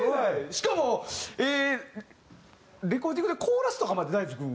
しかもええーレコーディングでコーラスとかまで大知君。